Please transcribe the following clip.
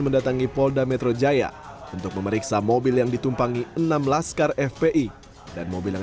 mendatangi polda metro jaya untuk memeriksa mobil yang ditumpangi enam laskar fpi dan mobil yang